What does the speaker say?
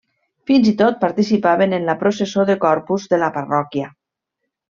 Fins i tot participaven en la processó de Corpus de la parròquia.